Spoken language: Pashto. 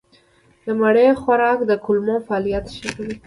د مڼې خوراک د کولمو فعالیت ښه کوي.